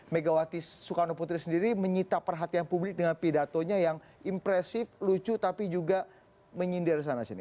megawati soekarno putri sendiri menyita perhatian publik dengan pidatonya yang impresif lucu tapi juga menyindir sana sini